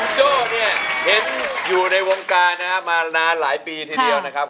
โจ้เนี่ยเห็นอยู่ในวงการนะครับมานานหลายปีทีเดียวนะครับ